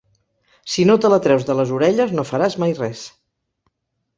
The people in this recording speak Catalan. Si no te la treus de les orelles no faràs mai res.